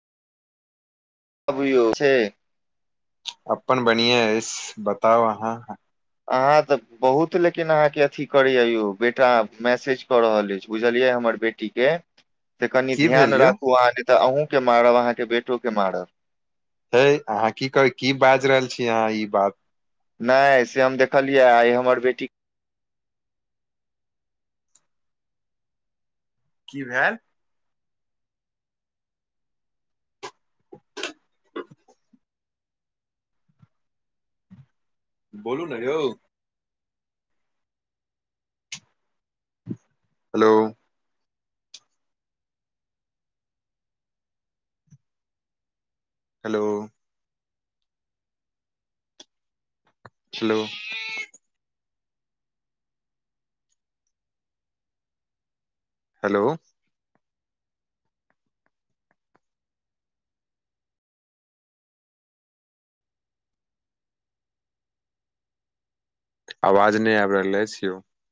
अबूयो छै। अपन बरिहै अएछ बताउ अहाँ। अहाँ तऽ बहुत लेकिन अहाँके अथी करैया यौ बेटा मैसेज कऽ रहल अइछ। बुझलियै हमर बेटी के। तऽ कनि की ध्यान भेल यौ राखू अहाँ नहि तऽ अहूँके मारब अहाँके बेटोके मारब। हेए अहाँ की कर की बाज रहल छी अहाँ ई बात। नहि से हम देखलियै आइ हमर बेटी। की भेल। बोलू नऽ यौउ। हेलो। हेलो। छलो। हेलो। आवाज नहि आबि रहल अइछ यौ।